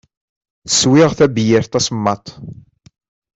Swiɣ tabeyyirt tasemmaḍt.